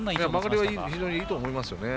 曲がりは非常にいいと思いますね。